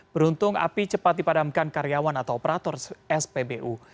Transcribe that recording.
beruntung api cepat dipadamkan karyawan atau operator spbu